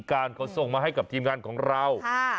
การเขาส่งมาให้กับทีมงานของเรา